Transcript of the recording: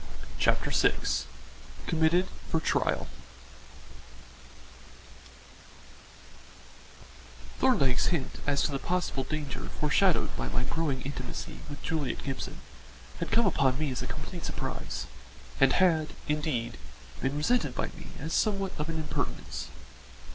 CHAPTER VI COMMITTED FOR TRIAL Thorndyke's hint as to the possible danger foreshadowed by my growing intimacy with Juliet Gibson had come upon me as a complete surprise, and had, indeed, been resented by me as somewhat of an impertinence.